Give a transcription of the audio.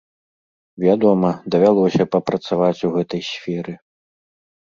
Вядома, давялося папрацаваць у гэтай сферы.